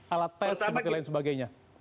alat tes sebagainya